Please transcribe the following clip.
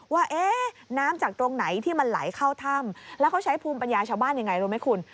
ว่าน้ำจากตรงไหนที่มันไหลเข้าถ้ำแล้วเขาใช้ภูมิปัญญาชาวบ้านยังไงรู้ไหมคุณ